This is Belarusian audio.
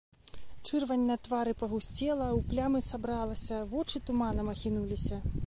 Чырвань на твары пагусцела, у плямы сабралася, вочы туманам ахінуліся.